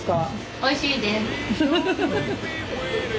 おいしいです。